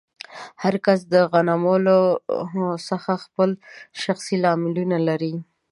هر کس د غنملو څخه خپل شخصي لاملونه لري.